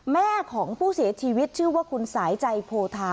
แม่ของผู้เสียชีวิตชื่อว่าคุณสายใจโพธา